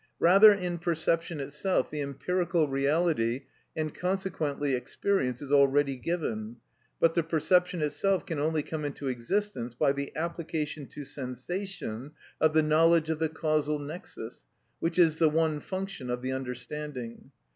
Rather in perception itself the empirical reality, and consequently experience, is already given; but the perception itself can only come into existence by the application to sensation of the knowledge of the causal nexus, which is the one function of the understanding.